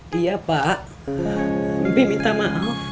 dia pak minta maaf